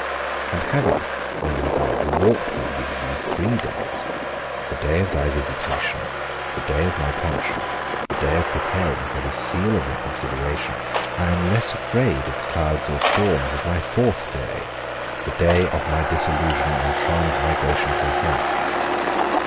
And having, O my God, walked with thee these three days, the day of thy visitation, the day of my conscience, the day of preparing for this seal of reconciliation, I am the less afraid of the clouds or storms of my fourth day, the day of my dissolution and transmigration from hence.